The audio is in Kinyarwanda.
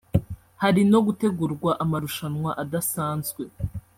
hari no gutegurwa amarushanwa adasanzwe